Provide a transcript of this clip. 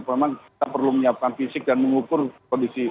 memang kita perlu menyiapkan fisik dan mengukur kondisi